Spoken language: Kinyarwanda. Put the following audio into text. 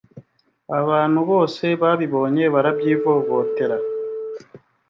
abantu bose babibonye barabyivovotera